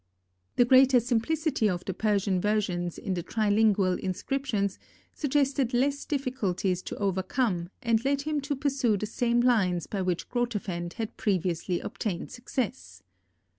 The greater simplicity of the Persian versions in the trilingual inscriptions, suggested less difficulties to overcome and led him to pursue the same lines by which Grotefend had previously obtained success.